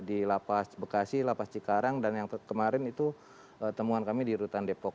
di lapas bekasi lapas cikarang dan yang kemarin itu temuan kami di rutan depok